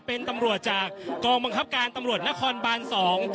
เป็นตำรวจจากกองบังคับการตำรวจนครบานสอง